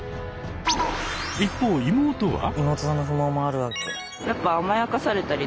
一方妹は。